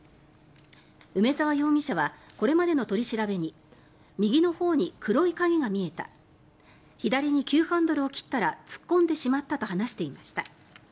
梅沢容疑者はこれまでの取り調べに右のほうに黒い影が見えた左に急ハンドルを切ったら突っ込んでしまったと話していました。